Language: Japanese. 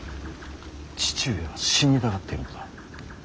父上は死にたがっているのだ。